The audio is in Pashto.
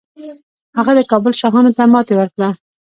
هغه د کابل شاهانو ته ماتې ورکړه